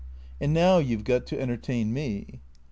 " And now you 've got to entertain me."